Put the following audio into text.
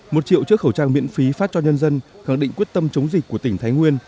một triệu chiếc khẩu trang miễn phí phát cho nhân dân khẳng định quyết tâm chống dịch của tỉnh thái nguyên